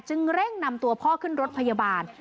เร่งนำตัวพ่อขึ้นรถพยาบาล